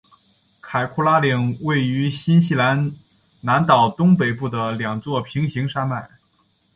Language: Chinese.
凯库拉岭位于新西兰南岛东北部的两座平行山脉。